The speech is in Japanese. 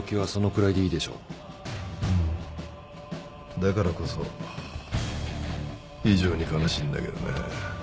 だからこそ非常に悲しいんだけどね。